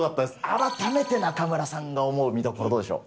改めて中村さんが思う見どころ、どうでしょう？